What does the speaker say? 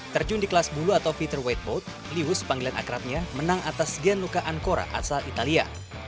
terjun di kelas bulu atau featured weight boat lius panggilan akrabnya menang atas gianluca ancora asal italia